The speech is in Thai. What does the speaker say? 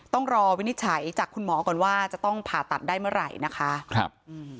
ต้องรอวินิจฉัยจากคุณหมอก่อนว่าจะต้องผ่าตัดได้เมื่อไหร่นะคะครับอืม